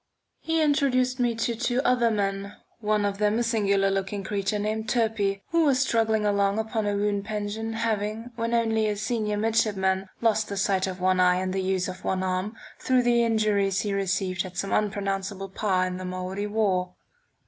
He introduced me to two other men, one of them a singular looking creature named Turpey, who was struggling along upon a wound pension, having, when only a senior midshipman, lost the sight of one eye and the use of one arm through the injuries he received at some unpronounceable Pah in the Maori war.